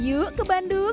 yuk ke bandung